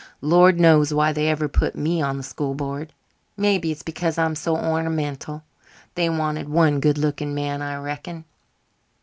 Lord knows why they ever put me on the school board. Maybe it's because I'm so ornamental. They wanted one good looking man, I reckon."